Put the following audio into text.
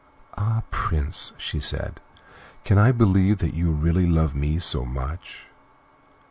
"Ah, Prince," she said, "can I believe that you really love me so much?"